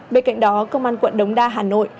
bên cạnh đó công an quận đống đa hà nội